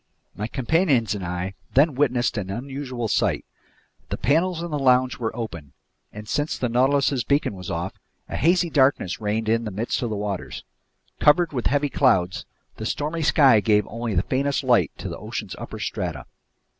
My companions and I then witnessed an unusual sight. The panels in the lounge were open, and since the Nautilus's beacon was off, a hazy darkness reigned in the midst of the waters. Covered with heavy clouds, the stormy sky gave only the faintest light to the ocean's upper strata.